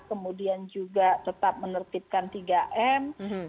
kemudian juga tetap menertibkan tiga m